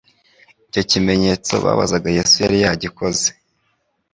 Icyo kimenyetso babazaga Yesu yari yagikoze.